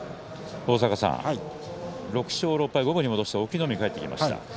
６勝６敗の五分に戻した隠岐の海が帰ってきました。